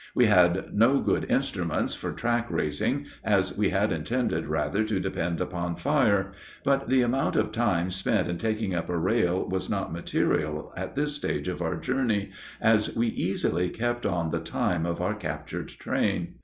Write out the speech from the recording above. We had no good instruments for track raising, as we had intended rather to depend upon fire; but the amount of time spent in taking up a rail was not material at this stage of our journey, as we easily kept on the time of our captured train.